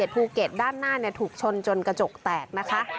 ภูเก็ตด้านหน้าถูกชนจนกระจกแตกนะคะ